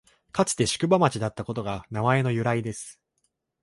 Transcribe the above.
かつて宿場町だったことが名前の由来です